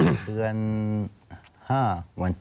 ปีอาทิตย์ห้ามีสปีอาทิตย์ห้ามีส